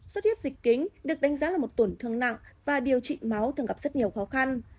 xuất huyết dịch kính được đánh giá là một tổn thương nặng và điều trị máu thường gặp rất nhiều khó khăn